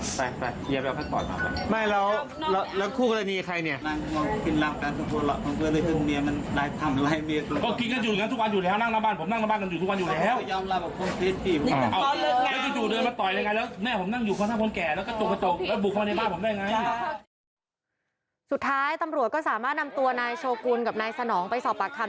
สุดท้ายตำรวจก็สามารถนำตัวนายโชกุลกับนายสนองไปสอบปากคำ